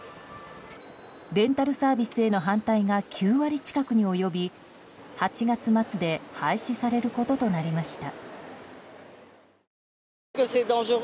レンタルサービスへの反対が９割近くに及び８月末で廃止されることとなりました。